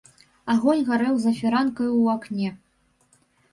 Агонь гарэў за фіранкаю ў акне.